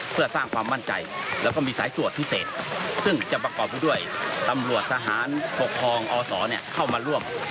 เพื่อสร้างความมั่นใจแล้วก็มีสายตรวจพิเศษซึ่งจะประกอบไปด้วยตำรวจทหารปกครองอศเข้ามาร่วม